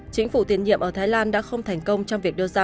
chính phủ tiền nhiệm ở thái lan đã không thành công trong việc đưa ra